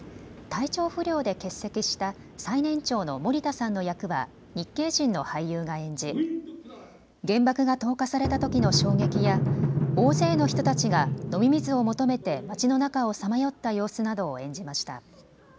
体調不良で欠席した最年長の森田さんの役は日系人の俳優が演じ原爆が投下されたときの衝撃や大勢の人たちが飲み水を求めて町の中をさまよった様子などを演じました。